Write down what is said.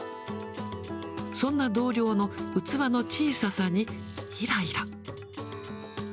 そんな同僚の器の小ささにいらいら。